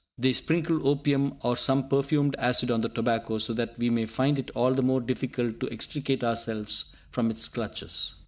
They sprinkle opium or some perfumed acid on the tobacco, so that we may find it all the more difficult to extricate ourselves from its clutches.